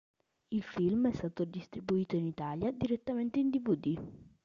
Il film è stato distribuito in Italia direttamente in dvd.